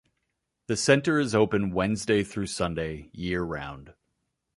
The center is open Wednesday through Sunday, year round.